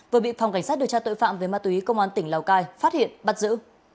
vừa bị phòng cảnh sát điều tra tội phạm về ma túy công an tỉnh lào cai phát hiện bắt giữ